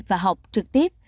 và học trực tiếp